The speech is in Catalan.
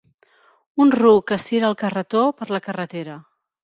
Un ruc estira el carretó per la carretera.